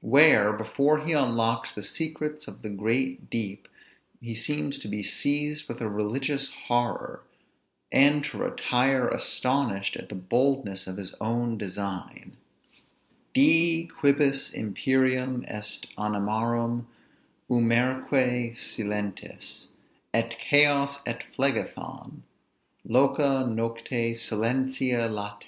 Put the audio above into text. Where, before he unlocks the secrets of the great deep, he seems to be seized with a religious horror, and to retire astonished at the boldness of his own design: Dii, quibus imperium est animarum, umbræque silentes! Et Chaos, et Phlegethon! loca nocte silentia late!